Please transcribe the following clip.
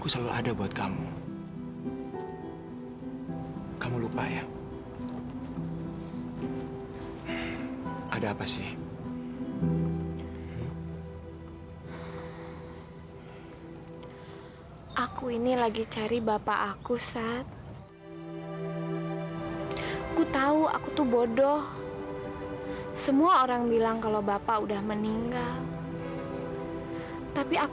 sampai jumpa di video selanjutnya